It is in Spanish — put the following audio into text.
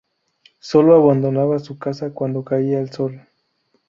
Solo abandonaba su casa cuando caía el sol.